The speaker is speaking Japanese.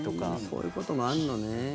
そういうこともあるのね。